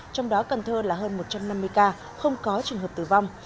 trong đó cần thơ là hơn một trăm năm mươi ca không có trường hợp tử vong